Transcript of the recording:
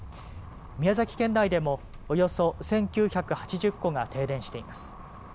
宮崎県内でもおよそ１９８０戸が停電しています。